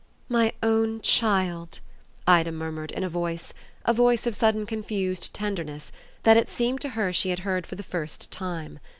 "My own child," Ida murmured in a voice a voice of sudden confused tenderness that it seemed to her she heard for the first time.